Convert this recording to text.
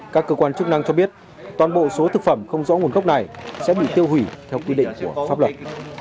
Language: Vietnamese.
các cơ quan chức năng cho biết toàn bộ số thực phẩm không rõ nguồn gốc này sẽ bị tiêu hủy theo quy định của pháp luật